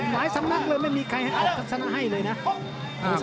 หลายสำนักเลยไม่มีใครให้ออกทักษะนั้นให้เลยนะ